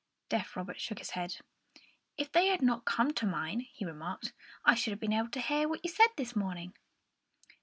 Deaf Robert shook his head. "If they had not come to mine," he remarked, "I should have been able to hear what you said to me this morning."